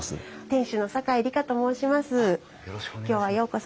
店主の酒井里香と申します。